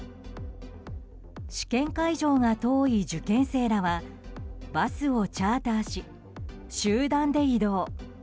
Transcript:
試験会場が遠い受験生らはバスをチャーターし集団で移動。